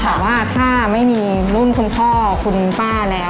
ถามว่าถ้าไม่มีรุ่นคุณพ่อคุณป้าแล้ว